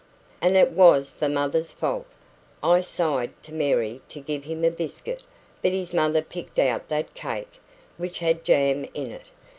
And it was the mother's fault. I signed to Mary to give him a biscuit, but his mother picked out that cake, which had jam in it.